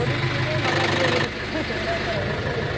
学びをより深めてもらえたらうれしいですね。